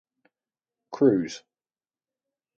Cruz.